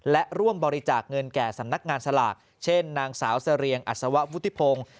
และร่วมบริจาคเงินแก่สำนักงานสลากเช่นนางสาวเสรียงอัศวะวุฒิพงศ์